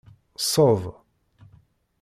Ssed.